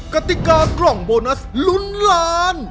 กติกากล่องโบนัสลุ้นล้าน